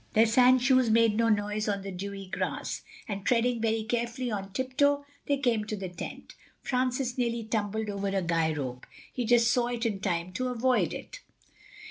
Their sandshoes made no noise on the dewy grass, and treading very carefully, on tiptoe, they came to the tent. Francis nearly tumbled over a guy rope; he just saw it in time to avoid it.